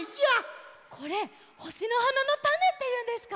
これほしのはなのタネっていうんですか？